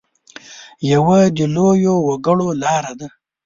یوه د لویو وګړو لاره ده.